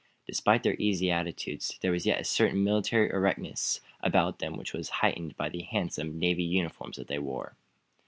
Despite their easy attitudes there was yet a certain military erectness about them which was heightened by the handsome, natty uniforms that they wore.